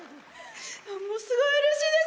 ものすごいうれしいです。